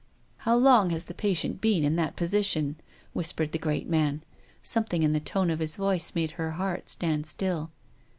"How long has the patient been in that position ?" whispered the great man. Some thing in the tone of hts voice made her heart stand still.